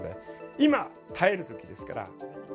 今、耐えるときですから。